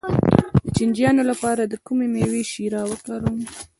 د چینجیانو لپاره د کومې میوې شیره وکاروم؟